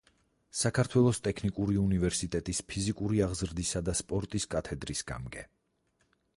საქართველოს ტექნიკური უნივერსიტეტის ფიზიკური აღზრდისა და სპორტის კათედრის გამგე.